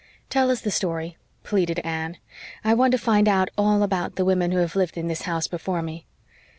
"Tell us the story," pleaded Anne. "I want to find out all about the women who have lived in this house before me."